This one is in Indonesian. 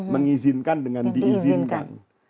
mengizinkan dengan diizinkan